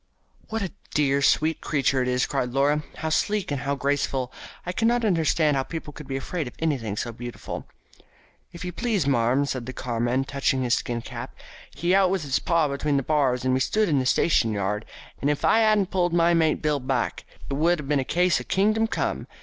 "What a dear, sweet creature it is," cried Laura. "How sleek and how graceful! I cannot understand how people could be afraid of anything so beautiful." "If you please, marm," said the carman, touching his skin cap, "he out with his paw between the bars as we stood in the station yard, and if I 'adn't pulled my mate Bill back it would ha' been a case of kingdom come.